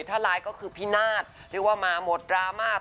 ถ้าร้ายก็คือพี่นาทรีวะมาหมดรามาท์